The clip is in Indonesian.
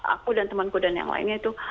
aku dan temanku dan yang lainnya itu